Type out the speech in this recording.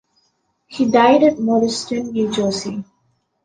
He died at Morristown, New Jersey.